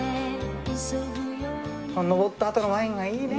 登ったあとのワインがいいね！